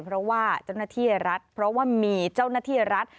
เพราะว่าเจ้าหน้าที่รัฐเพราะว่ามีเจ้าหน้าที่รัฐ